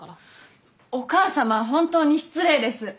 お母様は本当に失礼です！